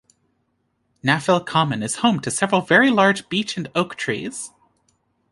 Naphill Common is home to several very large beech and oak trees.